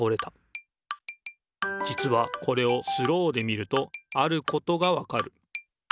じつはこれをスローで見るとあることがわかる。